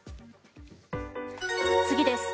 次です。